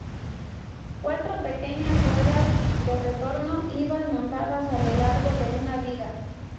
Cuatro pequeñas ruedas de retorno iban montadas a lo largo de una viga.